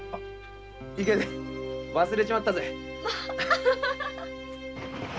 いけね忘れちまったぜ。